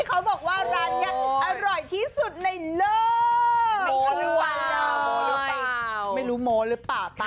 เขาบอกว่าร้านยังอร่อยที่สุดในโลก